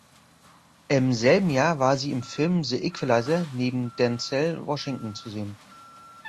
Im selben Jahr war sie im Film "The Equalizer" neben Denzel Washington zu sehen.